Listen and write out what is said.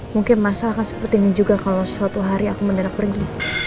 mungkin masalah akan seperti ini juga kalau suatu hari aku mendadak pergi